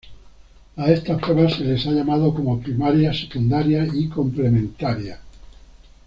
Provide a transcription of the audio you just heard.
A estas pruebas se les ha llamado como primarias, secundarias y Complementarias.